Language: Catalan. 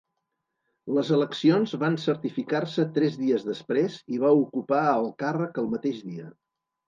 Les eleccions van certificar-se tres dies després i va ocupar el càrrec el mateix dia.